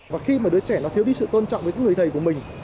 và khi mà đứa trẻ nó thiếu đi sự tôn trọng với người thầy của mình